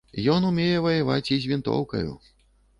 Ён умее ваяваць і з вінтоўкаю.